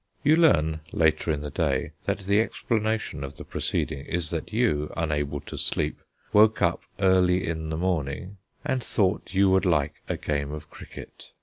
You learn, later in the day, that the explanation of the proceeding is that you, unable to sleep, woke up early in the morning, and thought you would like a game of cricket.